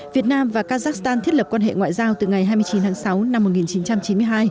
việt nam và kazakhstan thiết lập quan hệ ngoại giao từ ngày hai mươi chín tháng sáu năm một nghìn chín trăm chín mươi hai